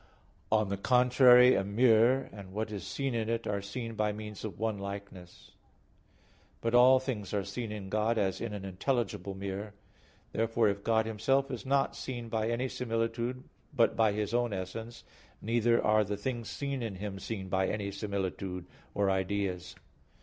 On the contrary, A mirror and what is in it are seen by means of one likeness. But all things are seen in God as in an intelligible mirror. Therefore if God Himself is not seen by any similitude but by His own essence, neither are the things seen in Him seen by any similitudes or ideas.